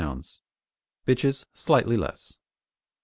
bitches slightly less.